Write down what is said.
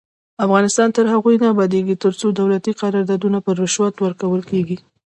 افغانستان تر هغو نه ابادیږي، ترڅو دولتي قراردادونه په رشوت ورکول کیږي.